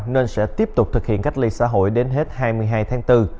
nên sẽ tiếp tục thực hiện cách ly xã hội đến hết hai mươi hai tháng bốn